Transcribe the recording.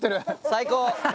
最高！